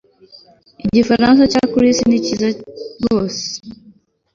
Igifaransa cya Chris ni cyiza rwose